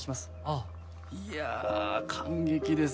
いやあ感激です！